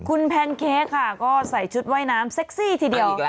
คุณแพนเค้กค่ะก็ใส่ชุดว่ายน้ำเซ็กซี่ทีเดียว